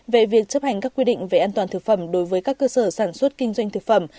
về việc chấp hành các quy định về an toàn thực phẩm đối với các cơ sở sản xuất kinh doanh thực phẩm